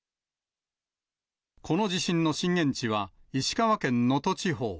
この地震の震源地は石川県能登地方。